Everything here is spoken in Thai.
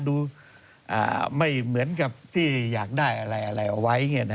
ดูไม่เหมือนกับที่อยากได้อะไรเอาไว้